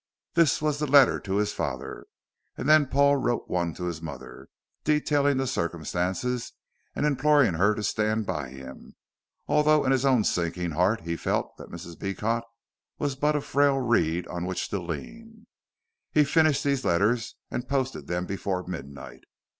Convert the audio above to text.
This was the letter to his father, and then Paul wrote one to his mother, detailing the circumstances and imploring her to stand by him, although in his own sinking heart he felt that Mrs. Beecot was but a frail reed on which to lean. He finished these letters and posted them before midnight.